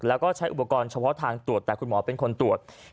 แล้วก็ใช้อุปกรณ์เฉพาะทางตรวจแต่คุณหมอเป็นคนตรวจ